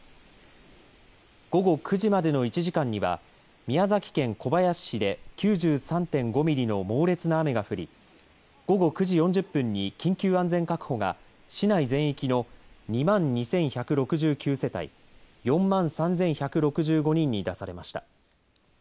午後９時までの１時間には宮崎県小林市で９３．５ミリの猛烈な雨が降り午後９時４０分に緊急安全確保が市内全域の２万２１６９世帯４万３１６５人に出されました。